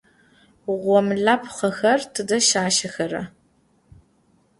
Ğomlapxhexer tıde şaşexera?